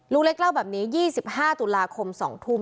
เล็กเล่าแบบนี้๒๕ตุลาคม๒ทุ่ม